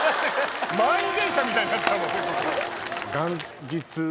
満員電車みたいになったもん。